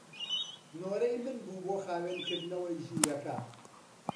نۆرەی من بوو بۆ خاوێنکردنەوەی ژوورەکە.